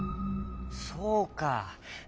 そうか。